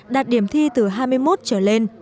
đạt điểm thi từ hai mươi một trở lên